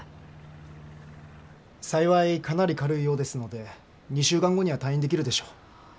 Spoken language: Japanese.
幸いかなり軽いようですので２週間後には退院できるでしょう。